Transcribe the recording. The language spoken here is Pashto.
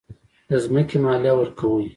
د ځمکې مالیه ورکوئ؟